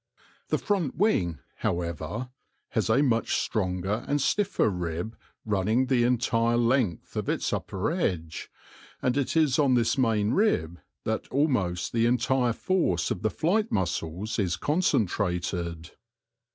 The front wing, however, has a much stronger and stiffer rib running the entire length of its upper edge, and it is on this main rib that almost the entire force of the flight muscles is con centrated.